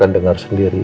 apa yang ada di rumah